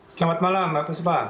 selamat malam mbak puspa